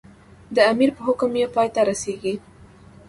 د امیر په حکم یې پای ته رسېږي.